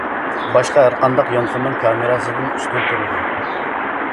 باشقا ھەرقانداق يانفوننىڭ كامېراسىدىن ئۈستۈن تۇرىدۇ.